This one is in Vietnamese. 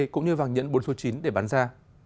cũng như vàng nhẫn bốn số chín để bán ra